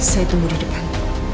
saya tunggu di depan